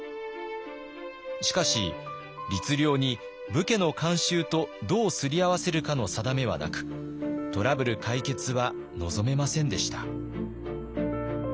しかし律令に武家の慣習とどうすり合わせるかの定めはなくトラブル解決は望めませんでした。